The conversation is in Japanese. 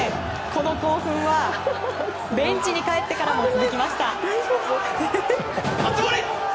この興奮はベンチに帰ってからも続きました。